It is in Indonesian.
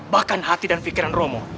bahkan hati dan pikiran romo